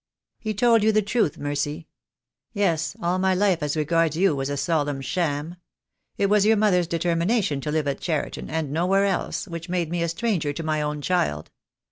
"He told you the truth, Mercy. Yes, all my life as regards you was a solemn sham. It was your mother's determination to live at Cheriton, and nowhere else, which made me a stranger to my own child.